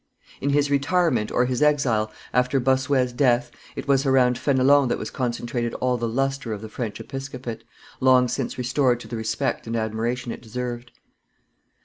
In his retirement or his exile, after Bossuet's death, it was around Fenelon that was concentrated all the lustre of the French episcopate, long since restored to the respect and admiration it deserved.